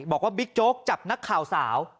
บิ๊กโจ๊กจับนักข่าวสาว